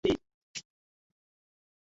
আমরা ফিরতে পারবো না।